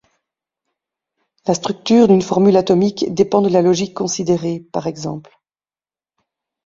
La structure d'une formule atomique dépend de la logique considérée, p. ex.